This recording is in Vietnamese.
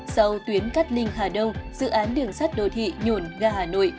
sau tuyến cắt linh hà đông dự án đường sắt đồ thị nhuồn gà hà nội